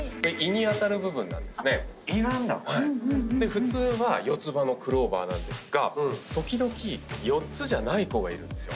普通は四つ葉のクローバーなんですが時々４つじゃない子がいるんですよ。